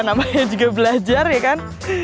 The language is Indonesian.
namanya juga belajar ya kan